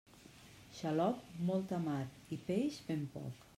Xaloc, molta mar i peix ben poc.